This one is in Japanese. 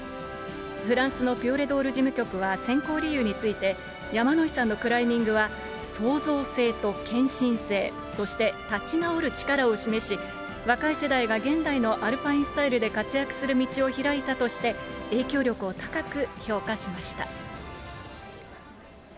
フランスのピオレドール事務局は選考理由について、山野井さんのクライミングは創造性と献身性、そして立ち直る力を示し、若い世代が現代のアルパインスタイルで活躍する道を開いたとして、影響力を高く評価しました。